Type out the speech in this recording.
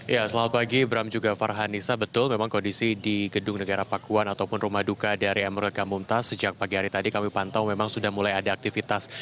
ya selamat pagi ibram juga farhanisa betul memang kondisi di gedung negara pakuan ataupun rumah duka dari emeril khan mumtaz sejak pagi hari tadi kami pantau memang sudah mulai ada aktivitas